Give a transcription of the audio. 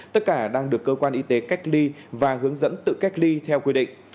tất cả đang được cơ quan y tế cách ly và hướng dẫn tự cách ly theo quy định